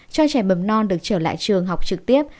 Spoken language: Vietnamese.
cho trẻ mầm non được trở lại trường học trực tiếp